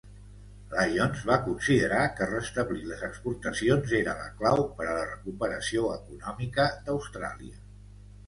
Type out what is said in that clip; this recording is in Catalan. Lyons va considerar que restablir les exportacions era la clau per a la recuperació econòmica d'Austràlia.